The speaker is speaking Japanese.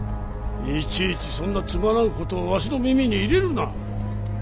いちいちそんなつまらんことをわしの耳に入れるな。